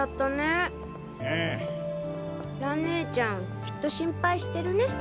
蘭ねえちゃんきっと心配してるね。